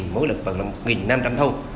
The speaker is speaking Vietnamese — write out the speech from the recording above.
mối lực phần là một năm trăm linh thôn